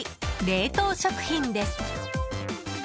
冷凍食品です。